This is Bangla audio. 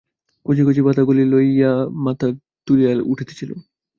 কচি কচি পাতাগুলি লইয়া মাথা তুলিয়া উঠিতেছিল।